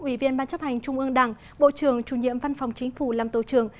ủy viên ban chấp hành trung ương đảng bộ trưởng chủ nhiệm văn phòng chính phủ lâm tổ trưởng